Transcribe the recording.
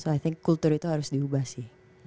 so i think kultur itu harus diubah sih